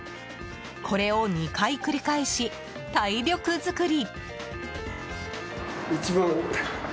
これを２回繰り返し、体力作り！